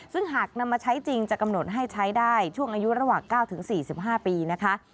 ซึ่งหากนำมาใช้จริงจะกำหนดให้ใช้ได้ช่วงอายุระหว่าง๙๔๕ปีนะคะ